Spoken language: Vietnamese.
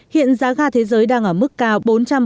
hiện giá ga thế giới đang ở mức cao bốn trăm bốn mươi đô la mỹ